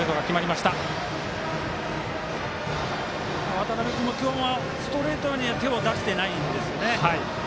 渡邉君も今日はストレートには手を出していないんですよね。